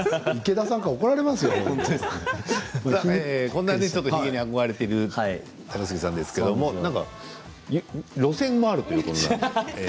こんなひげに憧れている高杉さんですけれど路線もあるということで。